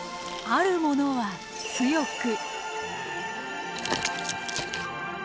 あるものは美しく。